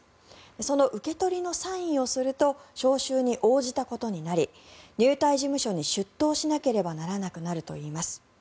その受け取りのサインをすると招集に応じたことになり入隊事務所に出頭しなければならなくなるといいます。